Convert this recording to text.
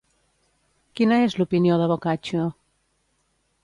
Quina és l'opinió de Boccaccio?